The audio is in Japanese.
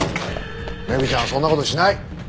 メグちゃんはそんな事しない！